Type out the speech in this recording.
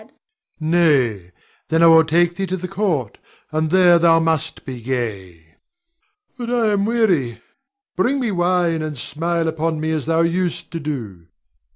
Nay, then I will take thee to the court, and there thou must be gay. But I am weary; bring me wine, and smile upon me as thou used to do.